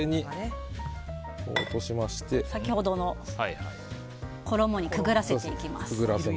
先ほどの衣にくぐらせます。